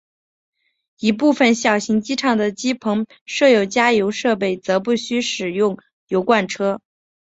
一部份小型机场的机坪设有加油设备则不需使用油罐车。